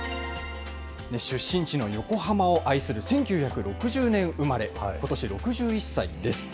出身地の横浜を愛する１９６０年生まれ、ことし６１歳です。